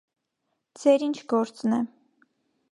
ձեր ի՞նչ գործն է.